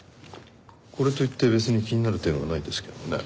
これといって別に気になる点はないですけどね。